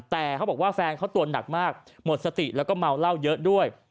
แต่เขาบอกว่าแฟนเขาตัวหนักมากหมดสติแล้วก็เมาเหล้าเยอะด้วย